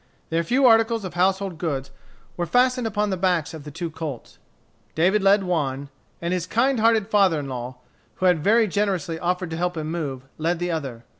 Their few articles of household goods were fastened upon the backs of the two colts. David led one, and his kind hearted father in law, who had very generously offered to help him move, led the other.